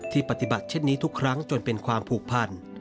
ปฏิบัติเช่นนี้ทุกครั้งจนเป็นความผูกพัน